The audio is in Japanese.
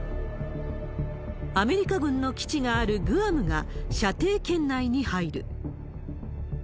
アメリカ軍の基地があるグアムが射程圏内に入る。